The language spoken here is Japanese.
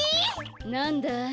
なんだい？